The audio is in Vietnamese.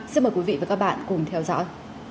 xin mời quý vị và các bạn cùng theo dõi